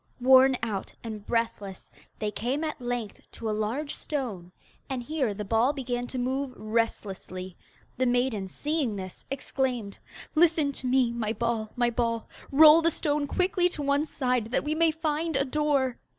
Worn out and breathless, they came at length to a large stone, and here the ball began to move restlessly. The maiden, seeing this, exclaimed: 'Listen to me, my ball, my ball. Roll the stone quickly to one side, That we may find a door.